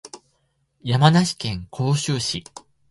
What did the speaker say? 山梨県甲州市